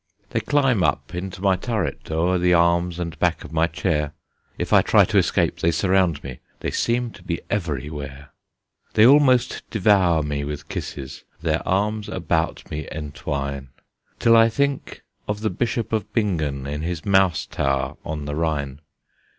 They climb up into my turret O'er the arms and back of my chair; If I try to escape, they surround me; They seem to be everywhere. They almost devour me with kisses, Their arms about me entwine, Till I think of the Bishop of Bingen In his Mouse Tower on the Rhine!